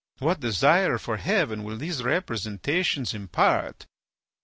What desire for heaven will these representations impart?